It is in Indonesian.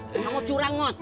kamu curang maud